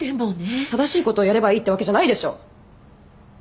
正しいことをやればいいってわけじゃないでしょ。